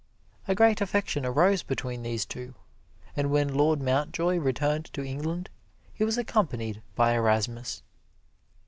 A great affection arose between these two, and when Lord Mountjoy returned to England he was accompanied by Erasmus.